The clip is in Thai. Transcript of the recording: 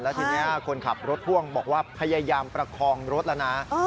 ทีนี้คนขับรถพ่วงบอกว่าพยายามประคองรถแล้วนะ